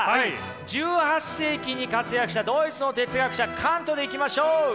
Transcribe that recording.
１８世紀に活躍したドイツの哲学者カントでいきましょう！